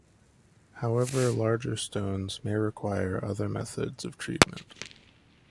However, larger stones may require other methods of treatment.